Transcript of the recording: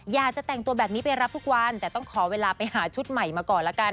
อยากจะแต่งตัวแบบนี้ไปรับทุกวันแต่ต้องขอเวลาไปหาชุดใหม่มาก่อนละกัน